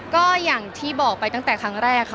ก็อย่างที่บอกไปตั้งแต่ครั้งแรกค่ะ